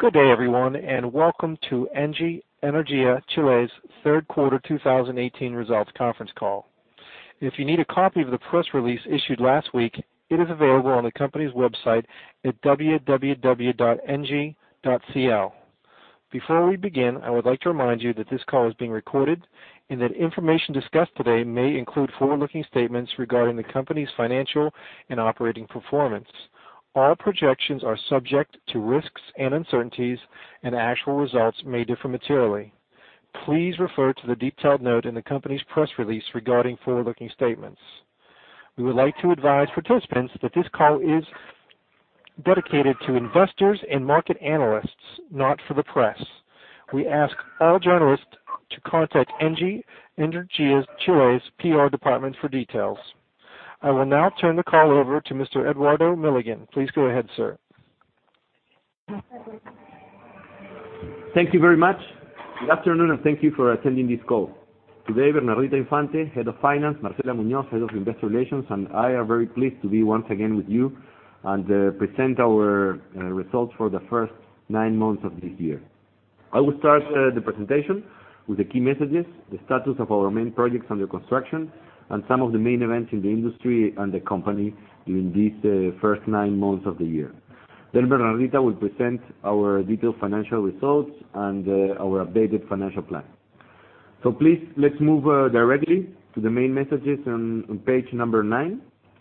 Good day everyone, and welcome to Engie Energia Chile's third quarter 2018 results conference call. If you need a copy of the press release issued last week, it is available on the company's website at www.engie.cl. Before we begin, I would like to remind you that this call is being recorded and that information discussed today may include forward-looking statements regarding the company's financial and operating performance. All projections are subject to risks and uncertainties, and actual results may differ materially. Please refer to the detailed note in the company's press release regarding forward-looking statements. We would like to advise participants that this call is dedicated to investors and market analysts, not for the press. We ask all journalists to contact Engie Energia Chile's PR department for details. I will now turn the call over to Mr. Eduardo Milligan. Please go ahead, sir. Thank you very much. Good afternoon, and thank you for attending this call. Today, Bernardita Infante, Head of Finance, Marcela Muñoz, Head of Investor Relations, and I are very pleased to be once again with you and present our results for the first nine months of this year. I will start the presentation with the key messages, the status of our main projects under construction, and some of the main events in the industry and the company during these first nine months of the year. Bernardita will present our detailed financial results and our updated financial plan. Please, let's move directly to the main messages on page number nine.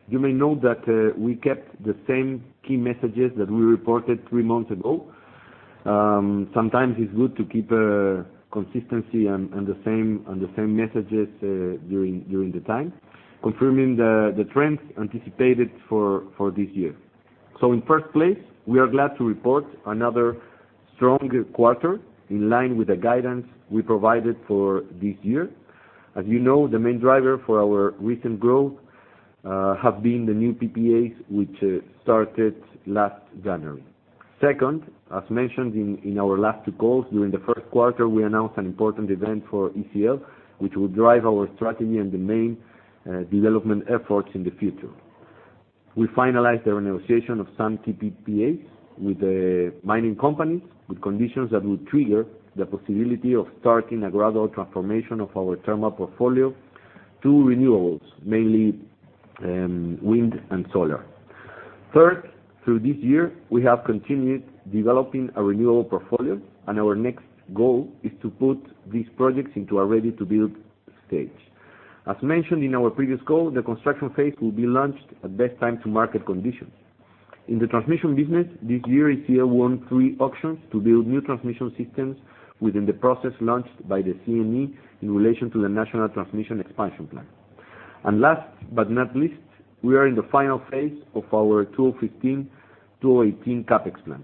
You may note that we kept the same key messages that we reported three months ago. Sometimes it's good to keep consistency on the same messages during the time, confirming the trends anticipated for this year. In the first place, we are glad to report another strong quarter in line with the guidance we provided for this year. As you know, the main driver for our recent growth have been the new PPAs, which started last January. Second, as mentioned in our last two calls, during the first quarter, we announced an important event for ECL, which will drive our strategy and the main development efforts in the future. We finalized the renegotiation of some TPPAs with mining companies, with conditions that will trigger the possibility of starting a gradual transformation of our thermal portfolio to renewables, mainly wind and solar. Third, through this year, we have continued developing a renewable portfolio, and our next goal is to put these projects into a ready-to-build stage. As mentioned in our previous call, the construction phase will be launched at the best time to market conditions. In the transmission business this year, ECL won three auctions to build new transmission systems within the process launched by the CNE in relation to the National Transmission Expansion Plan. Last but not least, we are in the final phase of our 2015-2018 CapEx plan.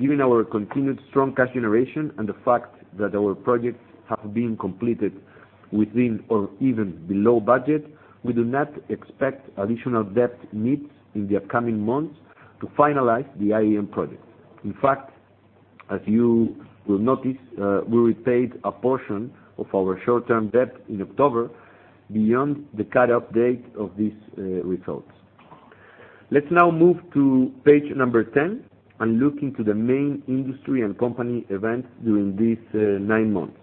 Given our continued strong cash generation and the fact that our projects have been completed within or even below budget, we do not expect additional debt needs in the upcoming months to finalize the IEM project. In fact, as you will notice, we repaid a portion of our short-term debt in October beyond the cut-off date of these results. Let's now move to page number 10 and look into the main industry and company events during these nine months.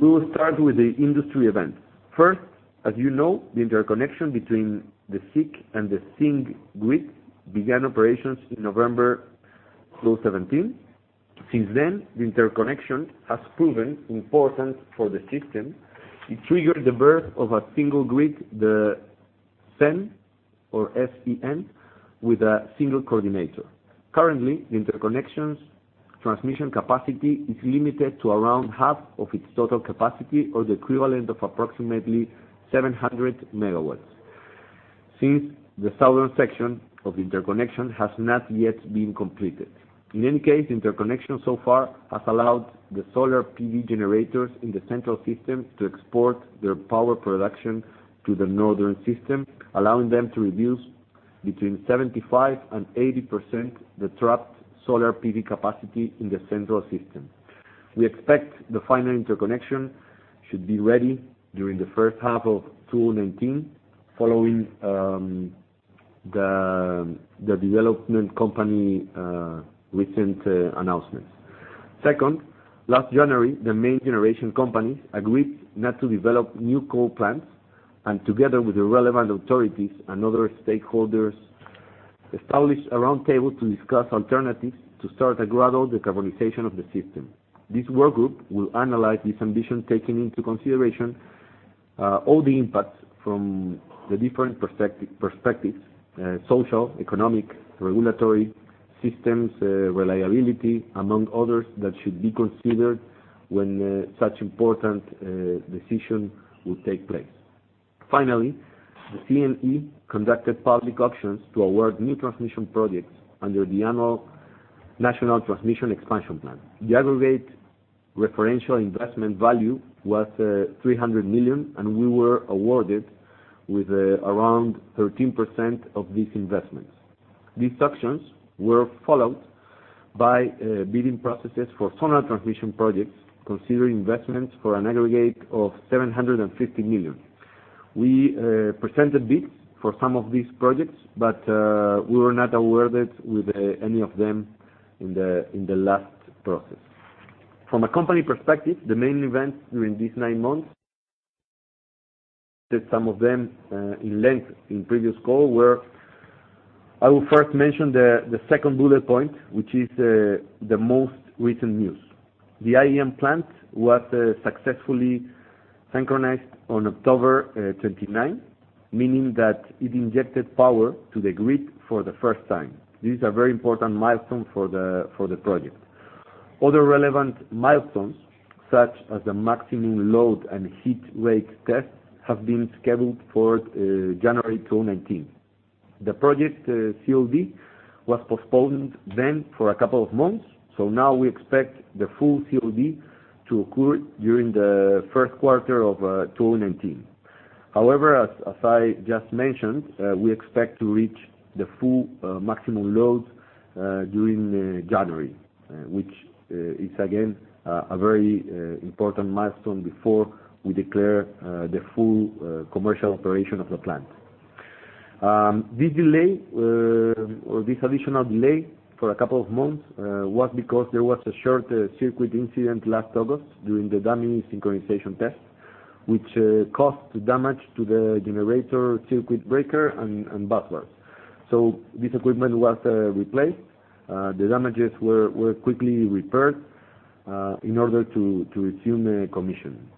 We will start with the industry events. First, as you know, the interconnection between the SIC and the SING grid began operations in November 2017. Since then, the interconnection has proven important for the system. It triggered the birth of a single grid, the SEN, with a single coordinator. Currently, the interconnection's transmission capacity is limited to around half of its total capacity or the equivalent of approximately 700 megawatts, since the southern section of the interconnection has not yet been completed. In any case, the interconnection so far has allowed the solar PV generators in the central system to export their power production to the northern system, allowing them to reduce between 75%-80% the trapped solar PV capacity in the central system. We expect the final interconnection should be ready during the first half of 2019, following the development company's recent announcements. Second, last January, the main generation companies agreed not to develop new coal plants. Together with the relevant authorities and other stakeholders, established a roundtable to discuss alternatives to start a gradual decarbonization of the system. This work group will analyze this ambition, taking into consideration all the impacts from the different perspectives: social, economic, regulatory, systems, reliability, among others, that should be considered when such important decisions will take place. Finally, the CNE conducted public auctions to award new transmission projects under the annual National Transmission Expansion Plan. The aggregate referential investment value was $300 million, and we were awarded with around 13% of these investments. These auctions were followed by bidding processes for solar transmission projects, considering investments for an aggregate of $750 million. We presented bids for some of these projects, but we were not awarded with any of them in the last process. From a company perspective, the main events during these nine months, some of them in length in previous call were, I will first mention the second bullet point, which is the most recent news. The IEM plant was successfully synchronized on October 29, meaning that it injected power to the grid for the first time. This is a very important milestone for the project. Other relevant milestones, such as the maximum load and heat rate test, have been scheduled for January 2019. The project COD was postponed then for a couple of months. Now we expect the full COD to occur during the first quarter of 2019. However, as I just mentioned, we expect to reach the full maximum load during January, which is again, a very important milestone before we declare the full commercial operation of the plant. This additional delay for a couple of months, was because there was a short circuit incident last August during the dummy synchronization test, which caused damage to the generator circuit breaker and busbars. This equipment was replaced. The damages were quickly repaired, in order to resume commission.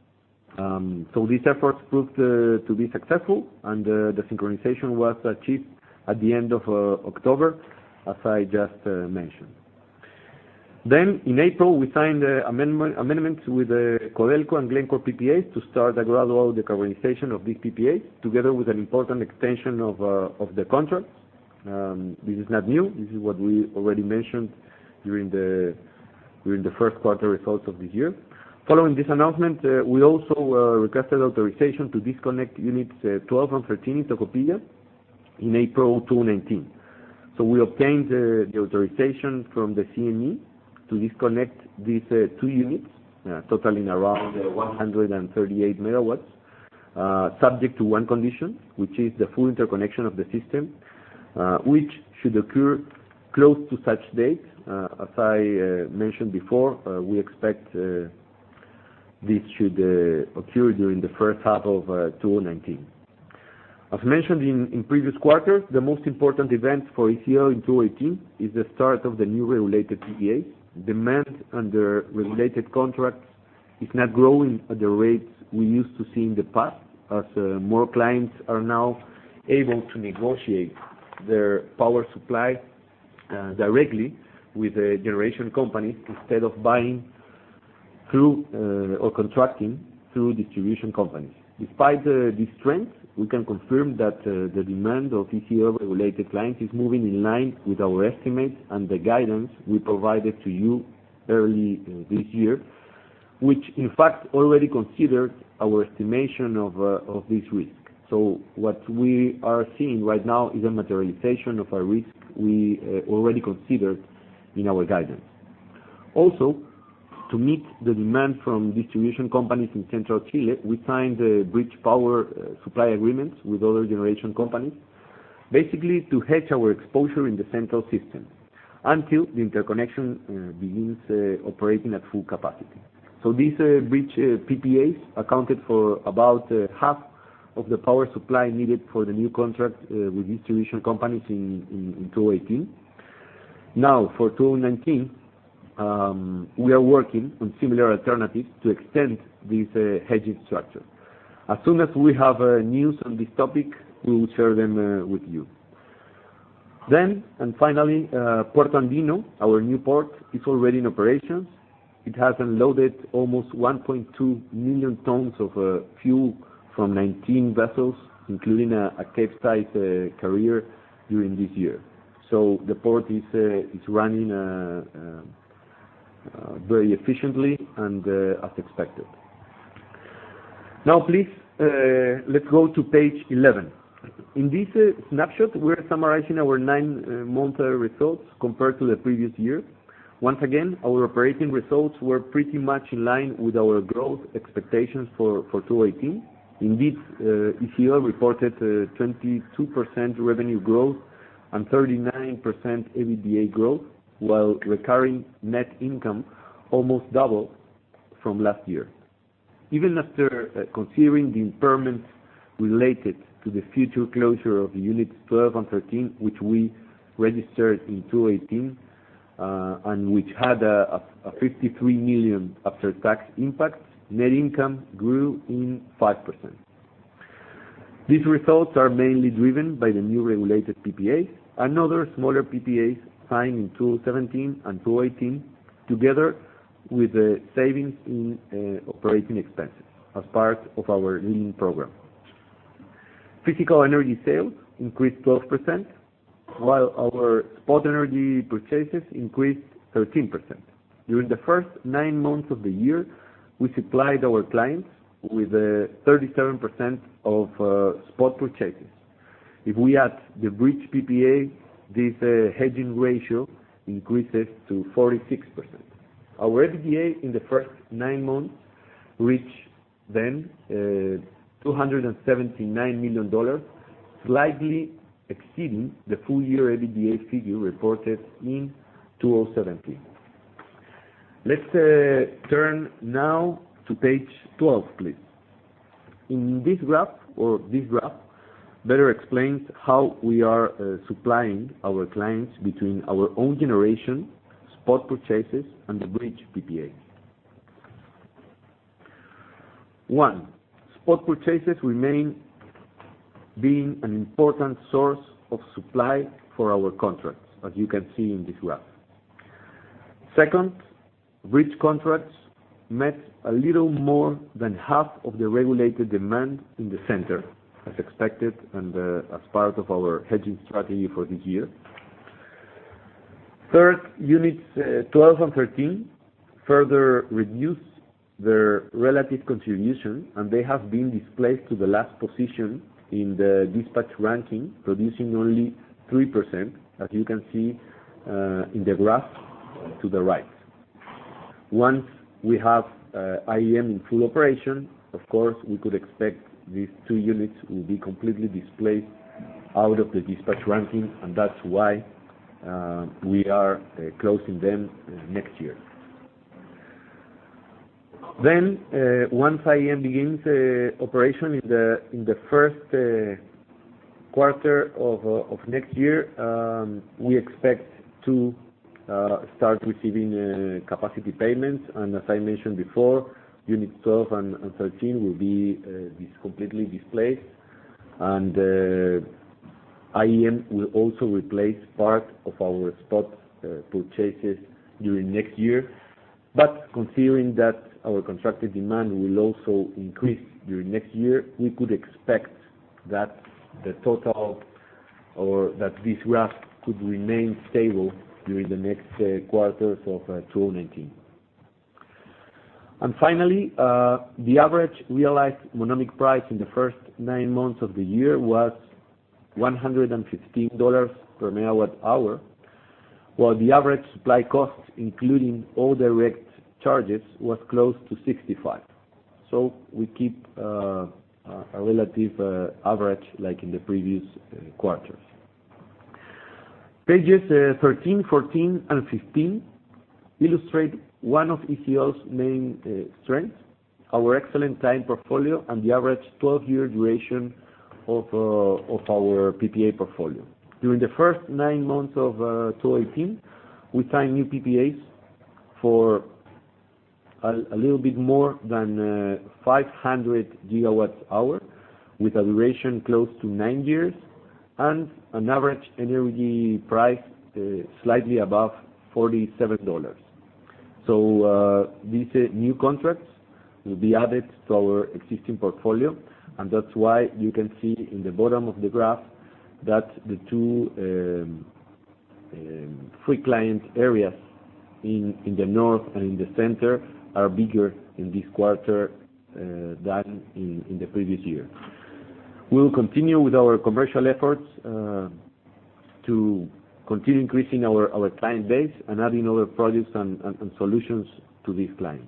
These efforts proved to be successful and the synchronization was achieved at the end of October as I just mentioned. In April, we signed amendments with Codelco and Glencore PPAs to start a gradual decarbonization of these PPAs, together with an important extension of the contracts. This is not new. This is what we already mentioned during the first quarter results of this year. Following this announcement, we also requested authorization to disconnect units 12 and 13 in Tocopilla in April 2019. We obtained the authorization from the CNE to disconnect these two units, totaling around 138 megawatts, subject to one condition, which is the full interconnection of the system, which should occur close to such date. As I mentioned before, we expect this should occur during the first half of 2019. As mentioned in previous quarters, the most important event for ECL in 2018 is the start of the new regulated PPAs. Demand under regulated contracts is not growing at the rates we used to see in the past, as more clients are now able to negotiate their power supply directly with generation companies instead of buying or contracting through distribution companies. Despite these trends, we can confirm that the demand of ECL regulated clients is moving in line with our estimates and the guidance we provided to you early this year, which in fact already considered our estimation of this risk. What we are seeing right now is a materialization of a risk we already considered in our guidance. Also, to meet the demand from distribution companies in central Chile, we signed bridge power supply agreements with other generation companies, basically to hedge our exposure in the central system until the interconnection begins operating at full capacity. These bridge PPAs accounted for about half of the power supply needed for the new contract with distribution companies in 2018. Now, for 2019, we are working on similar alternatives to extend this hedging structure. As soon as we have news on this topic, we will share them with you. Finally, Puerto Andino, our new port, is already in operation. It has unloaded almost 1.2 million tons of fuel from 19 vessels, including a Capesize carrier during this year. The port is running very efficiently and as expected. Now, please, let's go to page 11. In this snapshot, we are summarizing our nine-month results compared to the previous year. Once again, our operating results were pretty much in line with our growth expectations for 2018. Indeed, ECL reported 22% revenue growth and 39% EBITDA growth, while recurring net income almost doubled from last year. Even after considering the impairments related to the future closure of units 12 and 13, which we registered in 2018, and which had a $53 million after-tax impact, net income grew in 5%. These results are mainly driven by the new regulated PPAs and other smaller PPAs signed in 2017 and 2018, together with savings in operating expenses as part of our lean program. Physical energy sales increased 12%, while our spot energy purchases increased 13%. During the first nine months of the year, we supplied our clients with 37% of spot purchases. If we add the bridge PPA, this hedging ratio increases to 46%. Our EBITDA in the first nine months reached then $279 million, slightly exceeding the full-year EBITDA figure reported in 2017. Let's turn now to page 12, please. This graph better explains how we are supplying our clients between our own generation, spot purchases, and the bridge PPA. One, spot purchases remain being an important source of supply for our contracts, as you can see in this graph. Second, bridge contracts met a little more than half of the regulated demand in the center, as expected and as part of our hedging strategy for this year. Third, units 12 and 13 further reduced their relative contribution, and they have been displaced to the last position in the dispatch ranking, producing only 3%, as you can see in the graph to the right. Once we have IEM in full operation, of course, we could expect these two units will be completely displaced out of the dispatch ranking, and that's why we are closing them next year. Once IEM begins operation in the first quarter of next year, we expect to start receiving capacity payments. As I mentioned before, units 12 and 13 will be completely displaced, and IEM will also replace part of our spot purchases during next year. Considering that our contracted demand will also increase during next year, we could expect that the total or that this graph could remain stable during the next quarters of 2019. Finally, the average realized economic price in the first nine months of the year was $115 per megawatt hour, while the average supply cost, including all direct charges, was close to $65. We keep a relative average like in the previous quarters. Pages 13, 14, and 15 illustrate one of ECL's main strengths, our excellent signed portfolio and the average 12-year duration of our PPA portfolio. During the first nine months of 2018, we signed new PPAs for a little bit more than 500 gigawatts hour with a duration close to nine years and an average energy price slightly above $47. These new contracts will be added to our existing portfolio, and that's why you can see in the bottom of the graph that the two free client areas in the north and in the center are bigger in this quarter than in the previous year. We'll continue with our commercial efforts to continue increasing our client base and adding other products and solutions to these clients.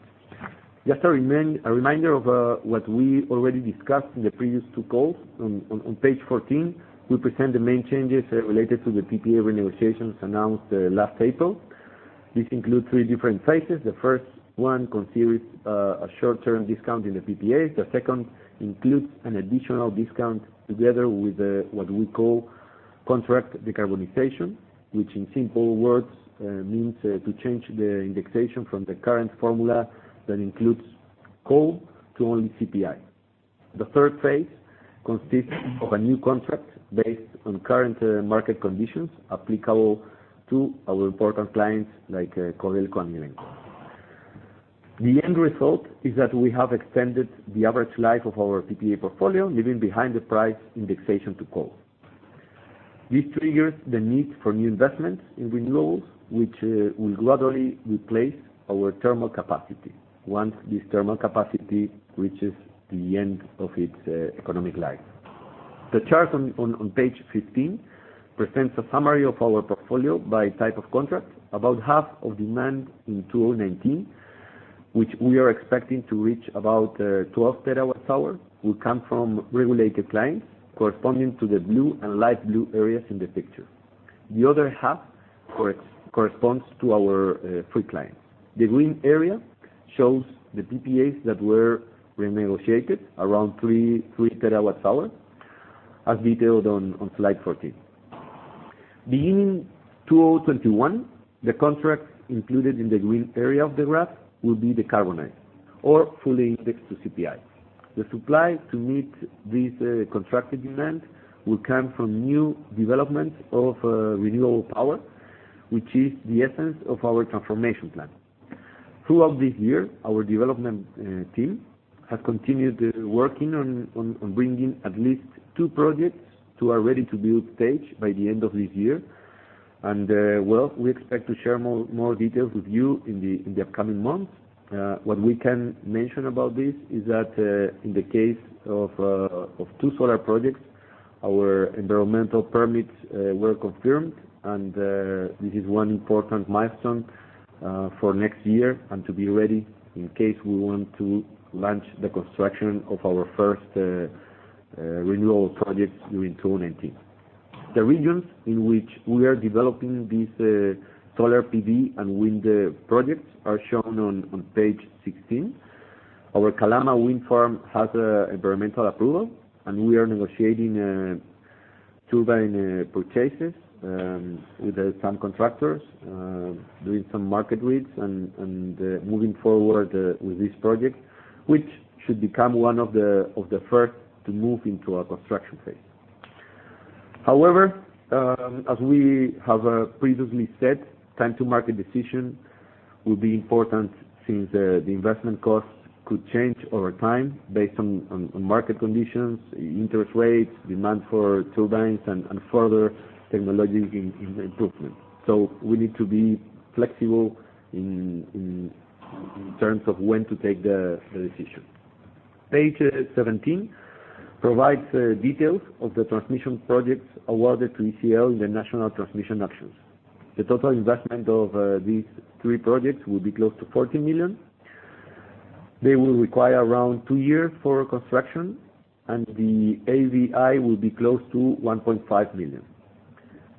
Just a reminder of what we already discussed in the previous two calls. On page 14, we present the main changes related to the PPA renegotiations announced last April. This includes three different phases. The first one considers a short-term discount in the PPAs. The second includes an additional discount together with what we call contract decarbonization, which in simple words means to change the indexation from the current formula that includes coal to only CPI. The third phase consists of a new contract based on current market conditions applicable to our important clients like Codelco and Antofagasta. The end result is that we have extended the average life of our PPA portfolio, leaving behind the price indexation to coal. This triggers the need for new investments in renewables, which will gradually replace our thermal capacity once this thermal capacity reaches the end of its economic life. The chart on page 15 presents a summary of our portfolio by type of contract. About half of demand in 2019, which we are expecting to reach about 12 terawatts hour, will come from regulated clients corresponding to the blue and light blue areas in the picture. The other half corresponds to our free clients. The green area shows the PPAs that were renegotiated around three terawatts hour, as detailed on slide 14. Beginning 2021, the contracts included in the green area of the graph will be decarbonized or fully indexed to CPI. The supply to meet this contracted demand will come from new development of renewable power, which is the essence of our transformation plan. Throughout this year, our development team has continued working on bringing at least two projects to a ready-to-build stage by the end of this year. Well, we expect to share more details with you in the upcoming months. What we can mention about this is that, in the case of two solar projects, our environmental permits were confirmed, and this is one important milestone for next year and to be ready in case we want to launch the construction of our first renewal projects during 2019. The regions in which we are developing these solar PV and wind projects are shown on page 16. Our Calama wind farm has environmental approval, and we are negotiating turbine purchases with some contractors, doing some market reads, and moving forward with this project, which should become one of the first to move into a construction phase. However, as we have previously said, time to market decision will be important since the investment costs could change over time based on market conditions, interest rates, demand for turbines, and further technology improvement. We need to be flexible in terms of when to take the decision. Page 17 provides details of the transmission projects awarded to ECL in the national transmission auctions. The total investment of these three projects will be close to $40 million. They will require around two years for construction, and the AVI will be close to $1.5 million.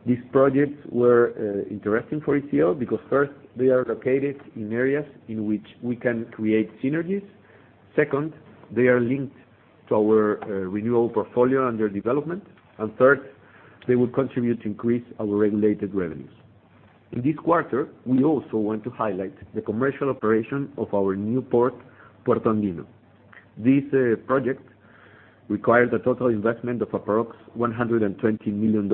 These projects were interesting for ECL because first, they are located in areas in which we can create synergies. Second, they are linked to our renewal portfolio under development. Third, they will contribute to increase our regulated revenues. In this quarter, we also want to highlight the commercial operation of our new port, Puerto Andino. This project required a total investment of approx $120 million.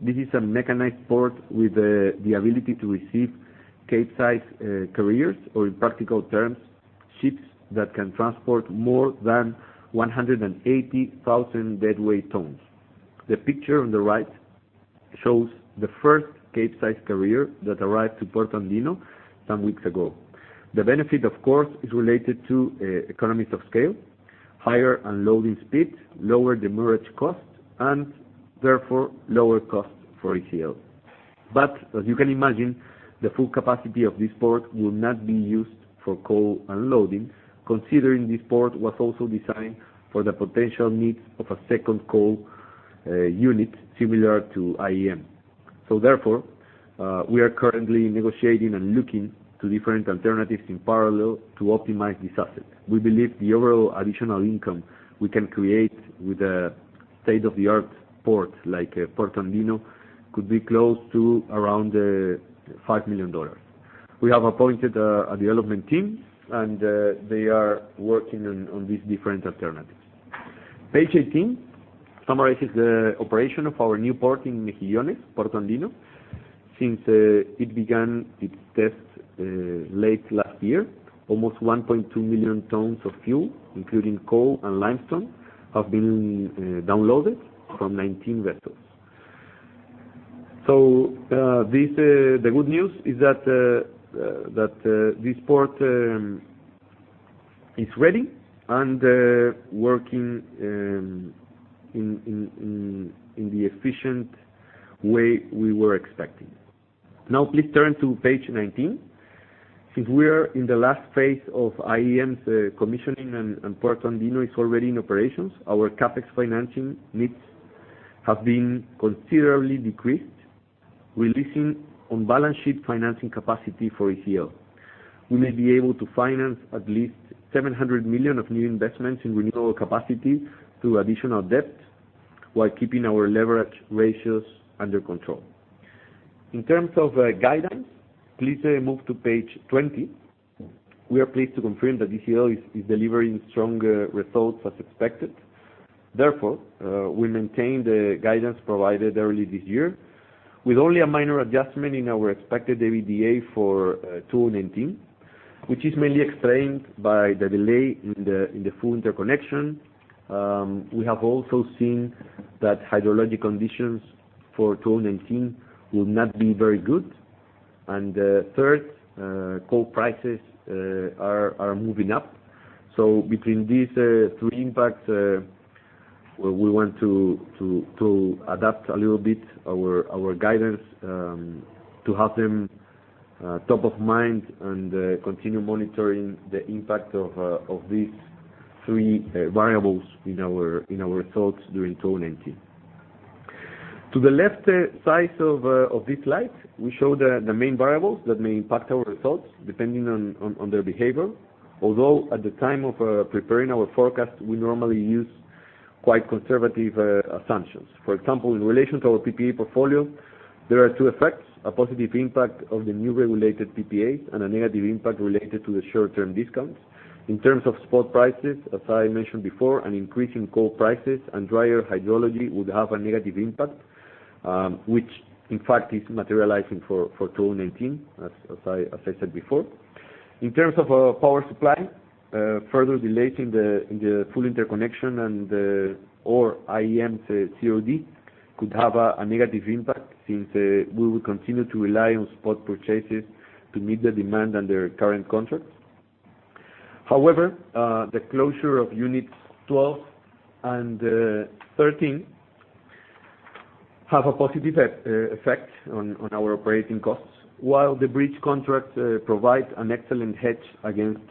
This is a mechanized port with the ability to receive Capesize carriers or, in practical terms, ships that can transport more than 180,000 deadweight tons. The picture on the right shows the first Capesize carrier that arrived to Puerto Andino some weeks ago. The benefit, of course, is related to economies of scale, higher unloading speed, lower demurrage cost, and therefore lower cost for ECL. As you can imagine, the full capacity of this port will not be used for coal unloading, considering this port was also designed for the potential needs of a second coal unit similar to IEM. Therefore, we are currently negotiating and looking to different alternatives in parallel to optimize this asset. We believe the overall additional income we can create with a state-of-the-art port like Puerto Andino could be close to around $5 million. We have appointed a development team, and they are working on these different alternatives. Page 18 summarizes the operation of our new port in Mejillones, Puerto Andino. Since it began its test late last year, almost 1.2 million tons of fuel, including coal and limestone, have been downloaded from 19 vessels. The good news is that this port is ready and working in the efficient way we were expecting. Please turn to page 19. Since we are in the last phase of IEM's commissioning and Puerto Andino is already in operations, our CapEx financing needs have been considerably decreased, releasing on-balance sheet financing capacity for ECL. We may be able to finance at least $700 million of new investments in renewable capacity through additional debt while keeping our leverage ratios under control. In terms of guidance, please move to page 20. We are pleased to confirm that ECL is delivering strong results as expected. Therefore, we maintain the guidance provided early this year with only a minor adjustment in our expected EBITDA for 2019, which is mainly explained by the delay in the full interconnection. We have also seen that hydrological conditions for 2019 will not be very good. Third, coal prices are moving up. Between these three impacts, we want to adapt a little bit our guidance to have them top of mind and continue monitoring the impact of these three variables in our results during 2019. To the left side of this slide, we show the main variables that may impact our results depending on their behavior. Although at the time of preparing our forecast, we normally use quite conservative assumptions. For example, in relation to our PPA portfolio, there are two effects, a positive impact of the new regulated PPAs and a negative impact related to the short-term discounts. In terms of spot prices, as I mentioned before, an increase in coal prices and drier hydrology would have a negative impact, which in fact is materializing for 2019 as I said before. In terms of our power supply, further delays in the full interconnection or IEM COD could have a negative impact, since we will continue to rely on spot purchases to meet the demand under current contracts. However, the closure of units 12 and 13 have a positive effect on our operating costs, while the bridge contract provides an excellent hedge against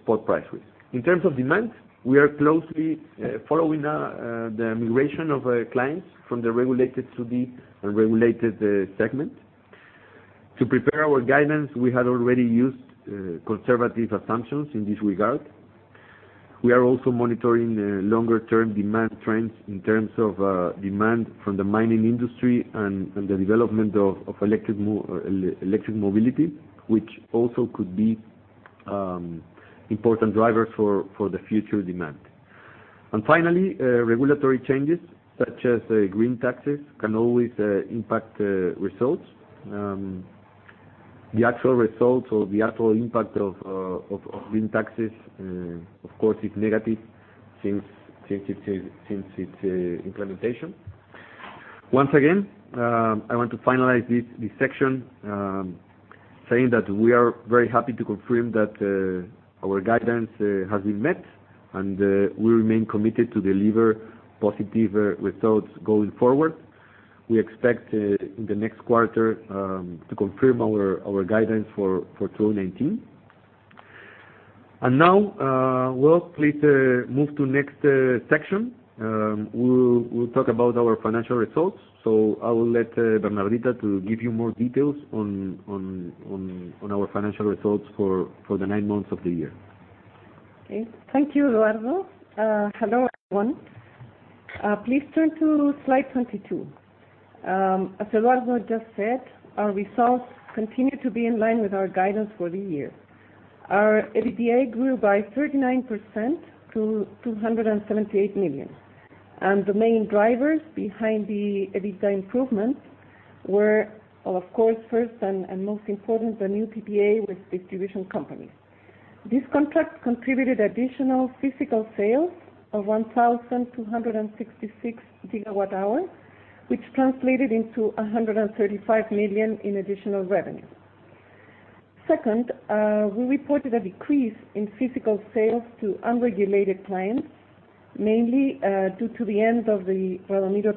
spot price risk. In terms of demand, we are closely following the migration of clients from the regulated to the unregulated segment. To prepare our guidance, we had already used conservative assumptions in this regard. We are also monitoring longer-term demand trends in terms of demand from the mining industry and the development of electric mobility, which also could be important drivers for the future demand. Finally, regulatory changes such as green taxes can always impact results. The actual results or the actual impact of green taxes, of course, is negative since its implementation. Once again, I want to finalize this section saying that we are very happy to confirm that our guidance has been met, and we remain committed to deliver positive results going forward. We expect in the next quarter to confirm our guidance for 2019. Now, we'll please move to next section. We'll talk about our financial results. I will let Bernardita to give you more details on our financial results for the nine months of the year. Okay. Thank you, Eduardo. Hello, everyone. Please turn to slide 22. As Eduardo just said, our results continue to be in line with our guidance for the year. Our EBITDA grew by 39% to $278 million. The main drivers behind the EBITDA improvements were, of course, first and most important, the new PPA with distribution companies. This contract contributed additional physical sales of 1,266 gigawatt hours, which translated into $135 million in additional revenue. Second, we reported a decrease in physical sales to unregulated clients, mainly due to the end of the Palomino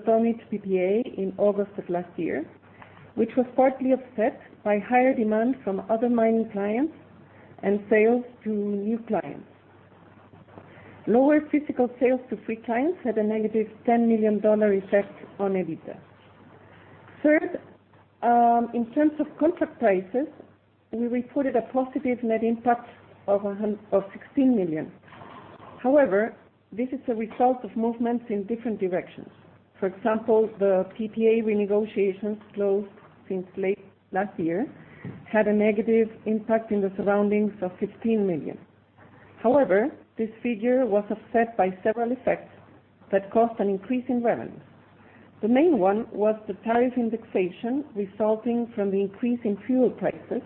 PPA in August of last year, which was partly offset by higher demand from other mining clients and sales to new clients. Lower physical sales to free clients had a negative $10 million effect on EBITDA. Third, in terms of contract prices, we reported a positive net impact of $16 million. However, this is a result of movements in different directions. For example, the PPA renegotiations closed since late last year had a negative impact in the surroundings of $15 million. However, this figure was offset by several effects that caused an increase in revenue. The main one was the tariff indexation resulting from the increase in fuel prices,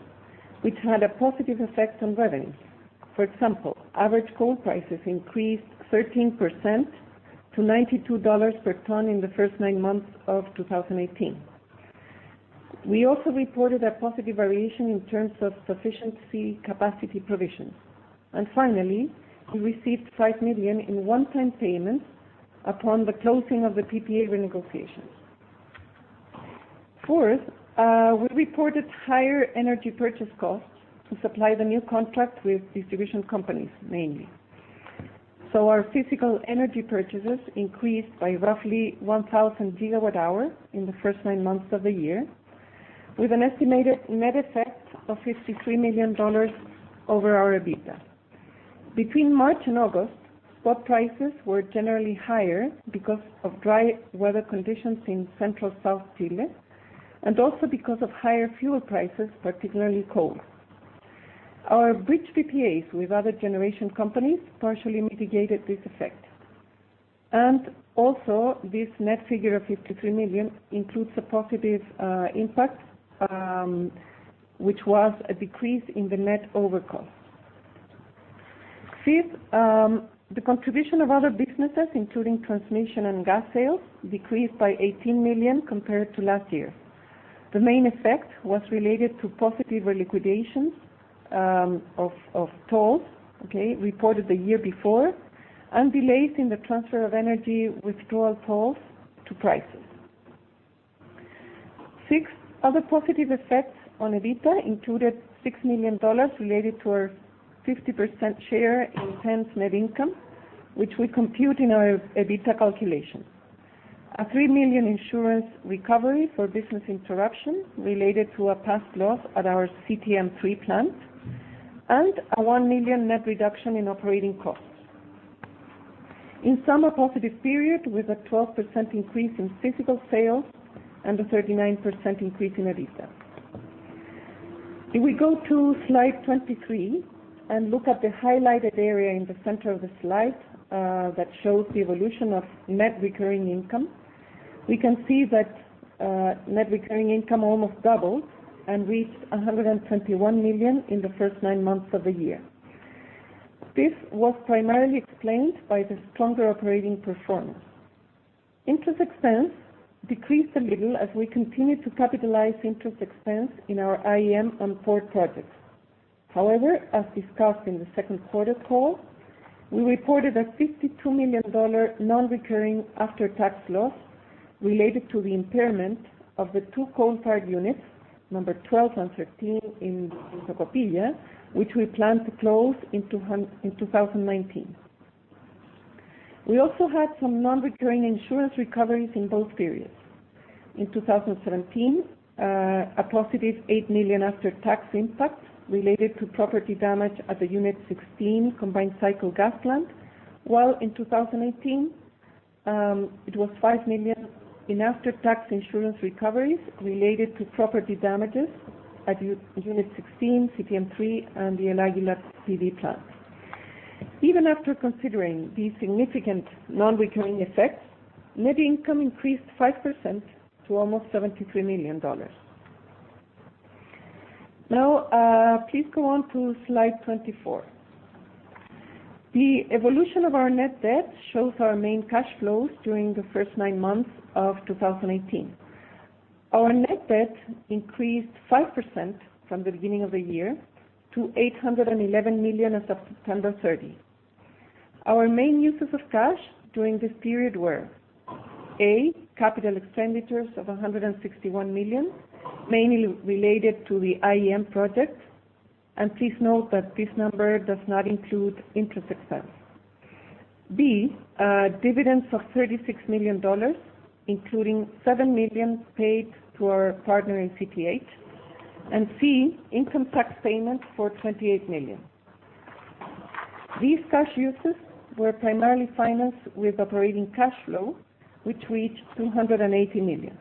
which had a positive effect on revenue. For example, average coal prices increased 13% to $92 per ton in the first nine months of 2018. We also reported a positive variation in terms of sufficiency capacity provisions. Finally, we received $5 million in one-time payments upon the closing of the PPA renegotiation. Fourth, we reported higher energy purchase costs to supply the new contract with distribution companies, mainly. Our physical energy purchases increased by roughly 1,000 gigawatt hours in the first nine months of the year, with an estimated net effect of $53 million over our EBITDA. Between March and August, spot prices were generally higher because of dry weather conditions in central south Chile, and also because of higher fuel prices, particularly coal. Our bridge PPAs with other generation companies partially mitigated this effect. This net figure of $53 million includes a positive impact, which was a decrease in the net overcost. Fifth, the contribution of other businesses, including transmission and gas sales, decreased by $18 million compared to last year. The main effect was related to positive reliquidations of tolls, okay, reported the year before, and delays in the transfer of energy withdrawal tolls to prices. Six, other positive effects on EBITDA included $6 million related to our 50% share in TEN net income, which we compute in our EBITDA calculation. A $3 million insurance recovery for business interruption related to a past loss at our CTM3 plant, and a $1 million net reduction in operating costs. In sum, a positive period with a 12% increase in physical sales and a 39% increase in EBITDA. If we go to slide 23 and look at the highlighted area in the center of the slide that shows the evolution of net recurring income. We can see that net recurring income almost doubled and reached $121 million in the first nine months of the year. This was primarily explained by the stronger operating performance. Interest expense decreased a little as we continued to capitalize interest expense in our IEM on port projects. However, as discussed in the second quarter call, we reported a $52 million non-recurring after-tax loss related to the impairment of the two coal-fired units, number 12 and 13 in Tocopilla, which we plan to close in 2019. We also had some non-recurring insurance recoveries in both periods. In 2017, a positive $8 million after-tax impact related to property damage at the unit 16 combined cycle gas plant, while in 2018, it was $5 million in after-tax insurance recoveries related to property damages at unit 16, CTM3, and the El Aguila PV plant. Even after considering these significant non-recurring effects, net income increased 5% to almost $73 million. Please go on to slide 24. The evolution of our net debt shows our main cash flows during the first nine months of 2018. Our net debt increased 5% from the beginning of the year to $811 million as of September 30. Our main uses of cash during this period were, A, capital expenditures of $161 million, mainly related to the IEM project. Please note that this number does not include interest expense. B, dividends of $36 million, including $7 million paid to our partner in CTH. C, income tax payments for $28 million. These cash uses were primarily financed with operating cash flow, which reached $280 million.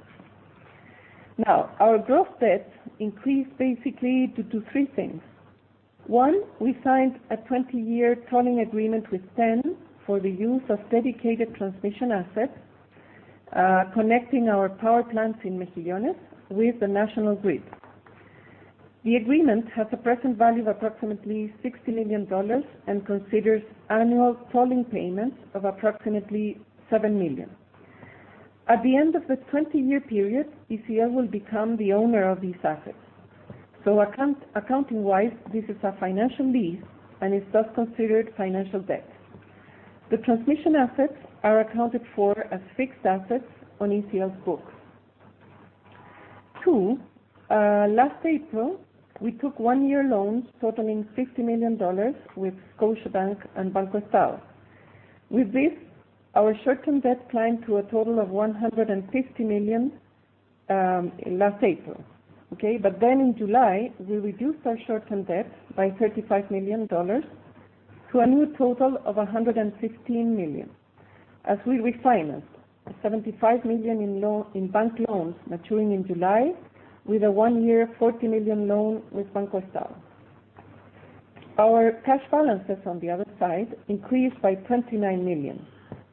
Our gross debt increased basically due to three things. One, we signed a 20-year tolling agreement with TEN for the use of dedicated transmission assets, connecting our power plants in Mejillones with the national grid. The agreement has a present value of approximately $60 million and considers annual tolling payments of approximately $7 million. At the end of the 20-year period, ECL will become the owner of these assets. Accounting-wise, this is a financial lease and is thus considered financial debt. The transmission assets are accounted for as fixed assets on ECL's books. Two, last April, we took one-year loans totaling $50 million with Scotiabank and BancoEstado. With this, our short-term debt climbed to a total of $150 million last April. In July, we reduced our short-term debt by $35 million to a new total of $116 million, as we refinanced $75 million in bank loans maturing in July with a one-year $40 million loan with BancoEstado. Our cash balances, on the other side, increased by $29 million,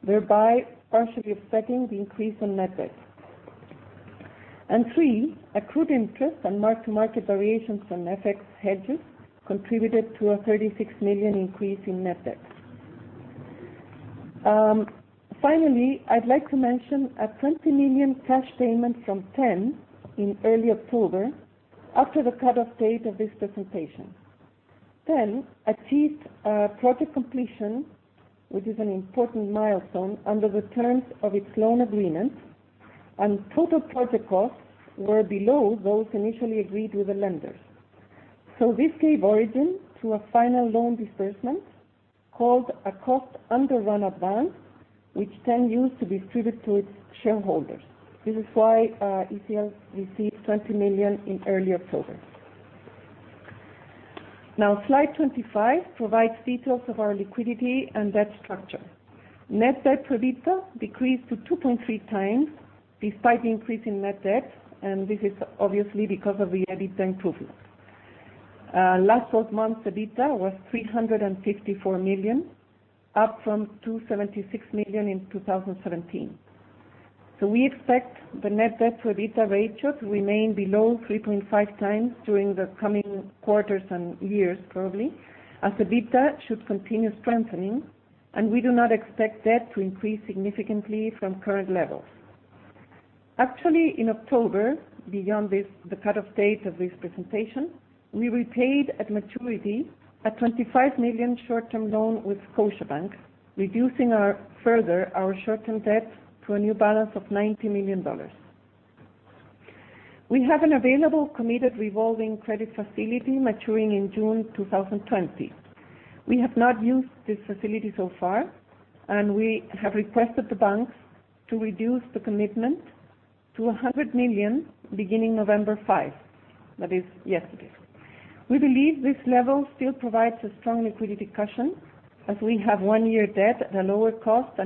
thereby partially offsetting the increase in net debt. Three, accrued interest and mark-to-market variations from FX hedges contributed to a $36 million increase in net debt. Finally, I'd like to mention a $20 million cash payment from TEN in early October, after the cut-off date of this presentation. TEN achieved project completion, which is an important milestone under the terms of its loan agreement, and total project costs were below those initially agreed with the lenders. This gave origin to a final loan disbursement called a cost underrun advance, which TEN used to distribute to its shareholders. This is why ECL received $20 million in early October. Slide 25 provides details of our liquidity and debt structure. Net debt to EBITDA decreased to 2.3 times despite the increase in net debt, and this is obviously because of the EBITDA improvement. Last 12 months, EBITDA was $354 million, up from $276 million in 2017. We expect the net debt to EBITDA ratio to remain below 3.5 times during the coming quarters and years, probably, as EBITDA should continue strengthening, and we do not expect debt to increase significantly from current levels. Actually, in October, beyond the cut-off date of this presentation, we repaid at maturity a $25 million short-term loan with Scotiabank, reducing further our short-term debt to a new balance of $90 million. We have an available committed revolving credit facility maturing in June 2020. We have not used this facility so far, and we have requested the banks to reduce the commitment to $100 million beginning November 5. That is yesterday. We believe this level still provides a strong liquidity cushion as we have one-year debt at a lower cost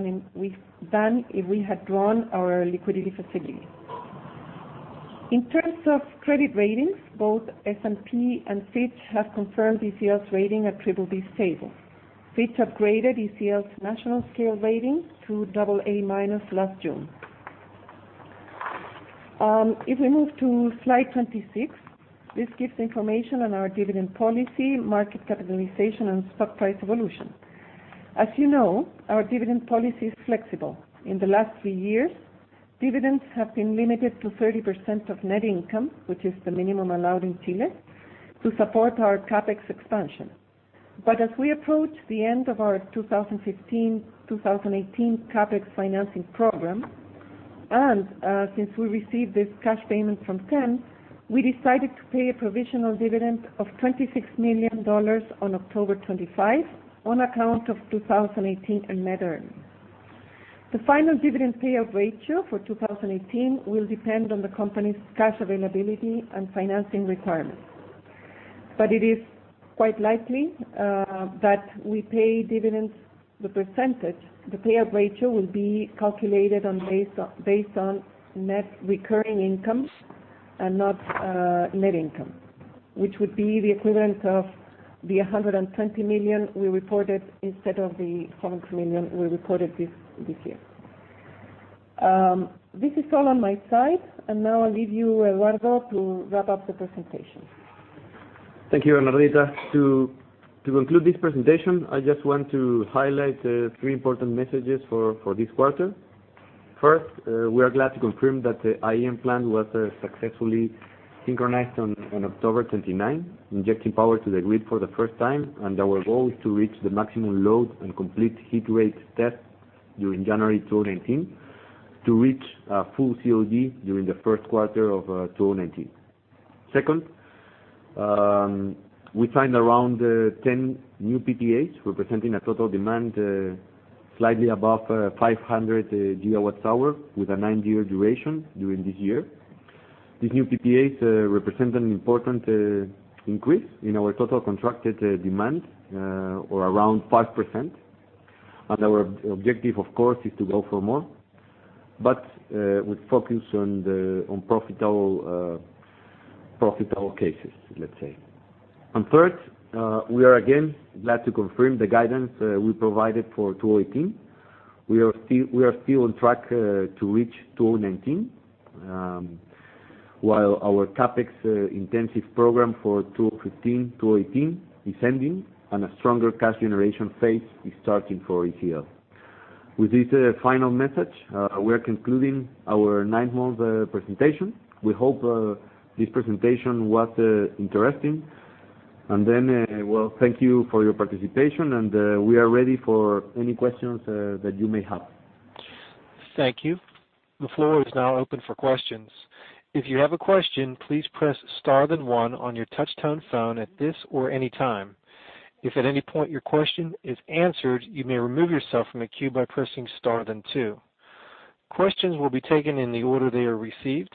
than if we had drawn our liquidity facility. In terms of credit ratings, both S&P and Fitch have confirmed ECL's rating at BBB stable. Fitch upgraded ECL's national scale rating to AA- last June. If we move to slide 26, this gives information on our dividend policy, market capitalization, and stock price evolution. As you know, our dividend policy is flexible. In the last three years, dividends have been limited to 30% of net income, which is the minimum allowed in Chile, to support our CapEx expansion. As we approach the end of our 2015-2018 CapEx financing program, and since we received this cash payment from TEN, we decided to pay a provisional dividend of $26 million on October 25 on account of 2018 net earnings. The final dividend payout ratio for 2018 will depend on the company's cash availability and financing requirements. It is quite likely that we pay dividends. The payout ratio will be calculated based on net recurring income and not net income, which would be the equivalent of the $120 million we reported instead of the $100 million we reported this year. This is all on my side, and now I'll leave you, Eduardo, to wrap up the presentation. Thank you, Bernardita. To conclude this presentation, I just want to highlight the three important messages for this quarter. First, we are glad to confirm that the IEM plant was successfully synchronized on October 29, injecting power to the grid for the first time, and our goal is to reach the maximum load and complete heat rate test during January 2019 to reach full COD during the first quarter of 2019. Second, we signed around 10 new PPAs, representing a total demand slightly above 500 gigawatts hour with a nine-year duration during this year. These new PPAs represent an important increase in our total contracted demand or around 5%. Our objective, of course, is to go for more, but with focus on profitable cases, let's say. Third, we are again glad to confirm the guidance we provided for 2018. We are still on track to reach 2019. While our CapEx intensive program for 2015-2018 is ending and a stronger cash generation phase is starting for ECL. With this final message, we are concluding our nine-month presentation. We hope this presentation was interesting. Thank you for your participation, and we are ready for any questions that you may have. Thank you. The floor is now open for questions. If you have a question, please press star then one on your touch-tone phone at this or any time. If at any point your question is answered, you may remove yourself from the queue by pressing star then two. Questions will be taken in the order they are received.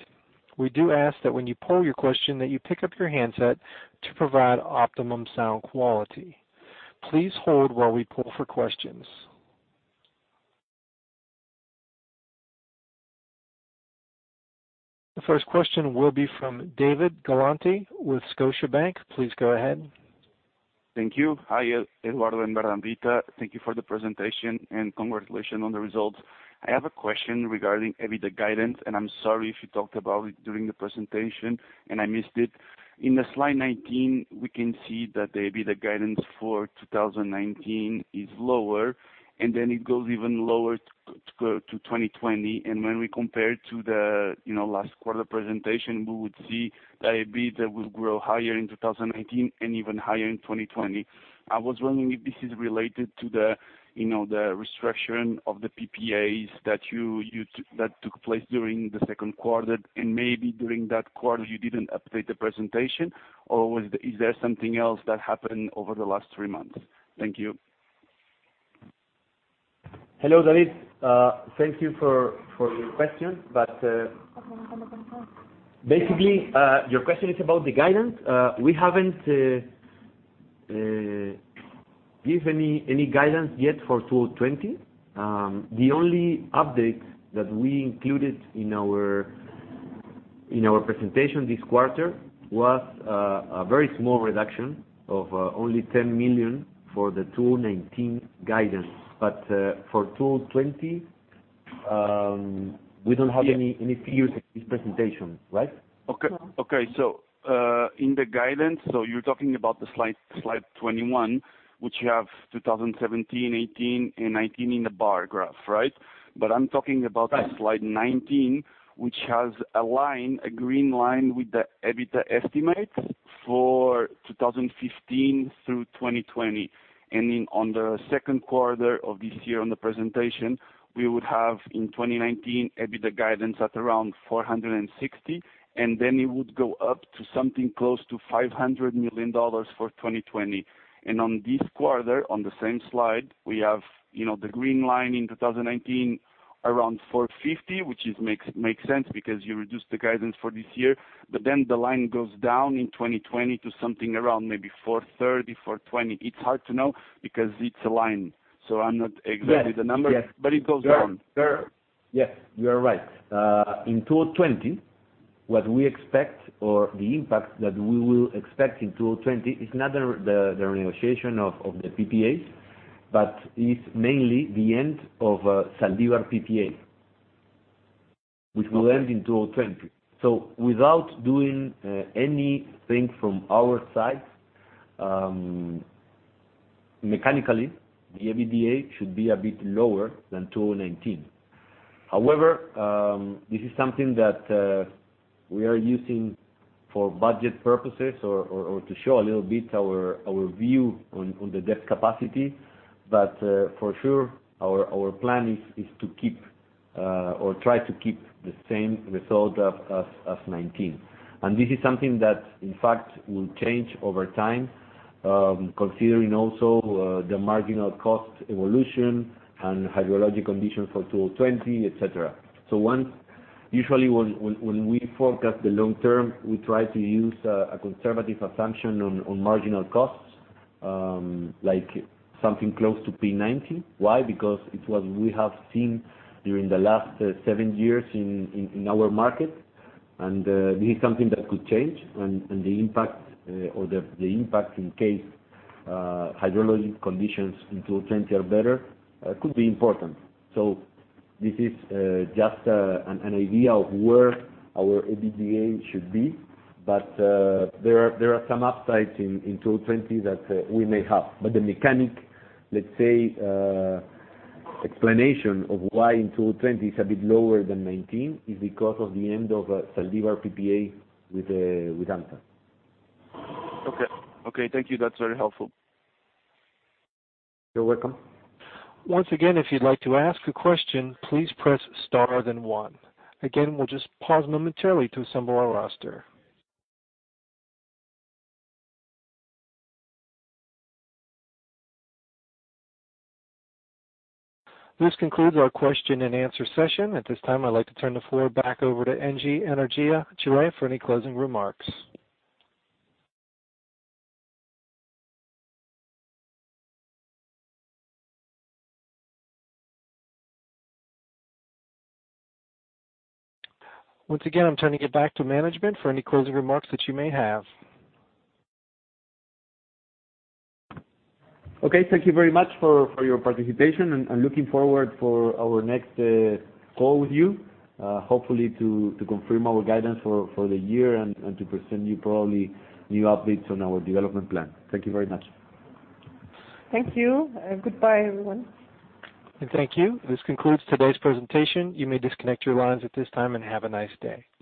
We do ask that when you pose your question, that you pick up your handset to provide optimum sound quality. Please hold while we poll for questions. The first question will be from David Galanti with Scotiabank. Please go ahead. Thank you. Hi, Eduardo and Bernardita. Thank you for the presentation and congratulations on the results. I have a question regarding EBITDA guidance. I'm sorry if you talked about it during the presentation and I missed it. In slide 19, we can see that the EBITDA guidance for 2019 is lower. Then it goes even lower to 2020. When we compare it to the last quarter presentation, we would see that EBITDA will grow higher in 2019 and even higher in 2020. I was wondering if this is related to the restructuring of the PPAs that took place during the second quarter, and maybe during that quarter you didn't update the presentation? Is there something else that happened over the last three months? Thank you. Hello, David. Thank you for your question. Basically, your question is about the guidance. We haven't given any guidance yet for 2020. The only update that we included in our presentation this quarter was a very small reduction of only $10 million for the 2019 guidance. For 2020, we don't have any figures in this presentation, right? Okay. In the guidance, you're talking about slide 21, which you have 2017, 2018, and 2019 in the bar graph, right? I'm talking about. Right Slide 19, which has a line, a green line with the EBITDA estimates for 2015 through 2020. On the second quarter of this year on the presentation, we would have in 2019, EBITDA guidance at around $460, then it would go up to something close to $500 million for 2020. On this quarter, on the same slide, we have the green line in 2019 around $450, which makes sense because you reduced the guidance for this year. The line goes down in 2020 to something around maybe $430, $420. It's hard to know because it's a line, I'm not exactly the number. Yes. It goes down. Yes, you are right. In 2020, what we expect or the impact that we will expect in 2020 is not the negotiation of the PPAs, it's mainly the end of Zaldívar PPA, which will end in 2020. Without doing anything from our side, mechanically, the EBITDA should be a bit lower than 2019. However, this is something that we are using for budget purposes or to show a little bit our view on the debt capacity. For sure, our plan is to keep or try to keep the same result as 2019. This is something that, in fact, will change over time, considering also the marginal cost evolution and hydrologic conditions for 2020, et cetera. Usually, when we forecast the long term, we try to use a conservative assumption on marginal costs, like something close to P90. Why? It's what we have seen during the last seven years in our market, this is something that could change, the impact in case hydrologic conditions in 2020 are better could be important. This is just an idea of where our EBITDA should be, there are some upsides in 2020 that we may have. The mechanic, let's say, explanation of why in 2020 is a bit lower than 2019 is because of the end of Zaldívar PPA with Anto. Okay. Thank you. That's very helpful. You're welcome. Once again, if you'd like to ask a question, please press star then one. Again, we'll just pause momentarily to assemble our roster. This concludes our question and answer session. At this time, I'd like to turn the floor back over to Engie Energia Chile for any closing remarks. Once again, I'm turning it back to management for any closing remarks that you may have. Okay. Thank you very much for your participation, and looking forward for our next call with you, hopefully to confirm our guidance for the year and to present you probably new updates on our development plan. Thank you very much. Thank you. Goodbye, everyone. Thank you. This concludes today's presentation. You may disconnect your lines at this time, and have a nice day.